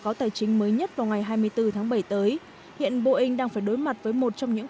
cáo tài chính mới nhất vào ngày hai mươi bốn tháng bảy tới hiện boeing đang phải đối mặt với một trong những